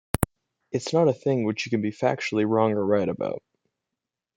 It's not a thing which you can be factually wrong or right about.